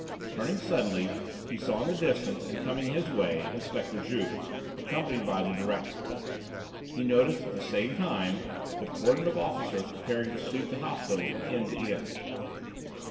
Turning suddenly, he saw in the distance and coming his way Inspector Juve, accompanied by the director. He noticed at the same time the cordon of officers preparing to sweep the hospital from end to end.